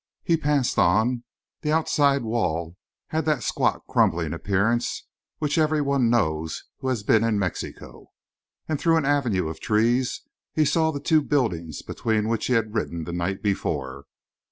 He passed on. The outside wall had that squat, crumbling appearance which every one knows who has been in Mexico and through an avenue of trees he saw the two buildings between which he had ridden the night before.